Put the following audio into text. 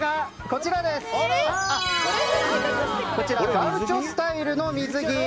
こちらガウチョスタイルの水着。